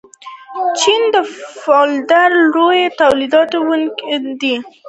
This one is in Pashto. چین د فولادو لوی تولیدونکی دی.